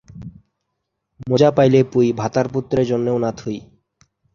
এটি লখনউ শহরের পশ্চিম অংশ নিয়ে গঠিত।